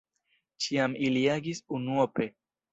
Ĉiam ili agis unuope.